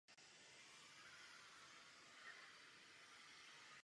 Krize opět nejsilněji postihla malé zemědělské podniky.